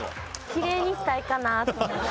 きれいにしたいかなと思って。